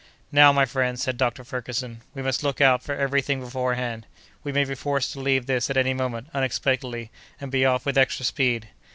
"Now, my friends," said Dr. Ferguson, "we must look out for every thing beforehand; we may be forced to leave this at any moment, unexpectedly, and be off with extra speed.